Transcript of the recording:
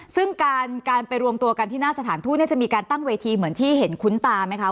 ซึ่งการไปรวมตัวกันที่หน้าสถานทูตจะมีการตั้งเวทีเหมือนที่เห็นคุ้นตาไหมคะ